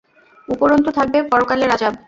উপরন্তু থাকবে পরকালের আযাব।